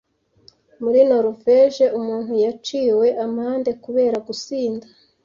Muri Noruveje umuntu yaciwe amande kubera gusinda